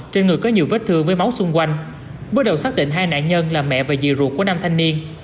trên người có nhiều vết thương với máu xung quanh bước đầu xác định hai nạn nhân là mẹ và diều ruột của nam thanh niên